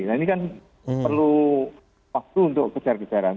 nah ini kan perlu waktu untuk kejar kejaran